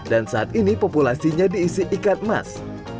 saat ini populasinya diisi ikat emas